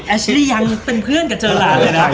แอชิลียังเป็นเพื่อนกับเจ้าหลานเลยนะ